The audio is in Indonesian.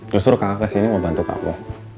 justru kakak kesini mau bantu kamu